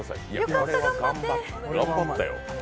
よかった頑張って。